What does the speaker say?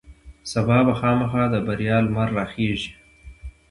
سبا به خامخا د بریا لمر راخیژي.